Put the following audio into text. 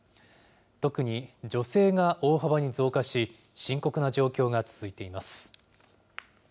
特に女性が大幅に増加し、深刻な状況が続いています。